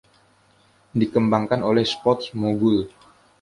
Dikembangkan oleh Sports Mogul.